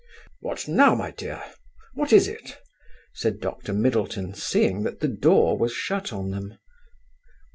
"What now, my dear? what is it?" said Dr. Middleton, seeing that the door was shut on them.